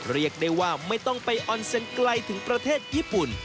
เรียกได้ว่าไม่ต้องไปออนเซ็นต์ไกลถึงประเทศญี่ปุ่น